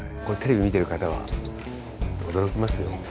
これテレビ見てる方は驚きますよ。